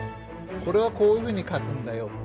これはこういうふうに描くんだよっていうのが。